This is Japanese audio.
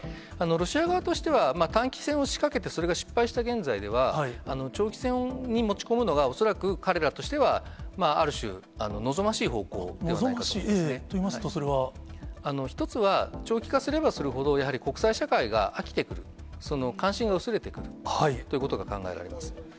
ロシア側としては、短期戦を仕掛けて、それが失敗した現在では、長期戦に持ち込むのが、恐らく彼らとしてはある種、望ましい方向ではないかと思うん望ましいといいますと、１つは長期化すればするほど、やはり国際社会が飽きてくる、関心が薄れてくるということが考えられます。